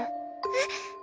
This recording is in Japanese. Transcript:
えっ？